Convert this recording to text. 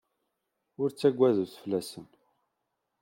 Ur ttaggadet fell-asen.